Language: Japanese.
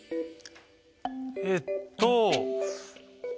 えっと。